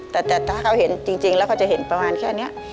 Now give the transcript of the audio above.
แต่ถ้าเขาเห็นจริงแล้วเขาจะเห็นประมาณแค่นี้